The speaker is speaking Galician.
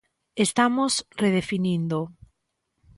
Estamos redefinindo.